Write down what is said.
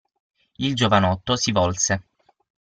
Il giovanotto si volse.